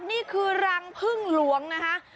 นี่คือรังพึ่งหลวงนะคะ